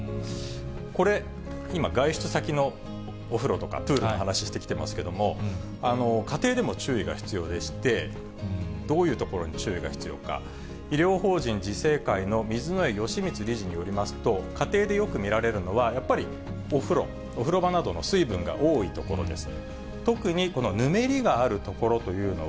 これ、今、外出先のお風呂とかプールの話をしてきてますけれども、家庭でも注意が必要でして、どういうところに注意が必要か、医療法人自靖会の水之江義充理事によりますと、家庭でよく見られるのは、やっぱりお風呂、お風呂場などの水分が多いところです。